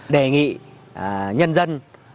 đề nghị nhân dân